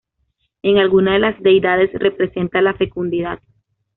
En alguna de las deidades representa la fecundidad.